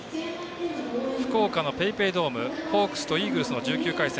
福岡のＰａｙＰａｙドームホークスとイーグルスの１９回戦。